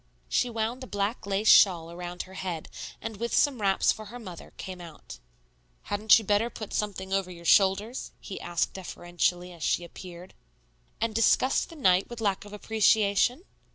She wound a black lace shawl around her head, and with some wraps for her mother, came out. "Hadn't you better put something over your shoulders?" he asked deferentially as she appeared. "And disgust the night with lack of appreciation?"